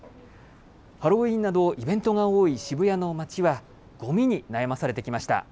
ハロウィーンなどイベントが多い渋谷の街は、ごみに悩まされてきました。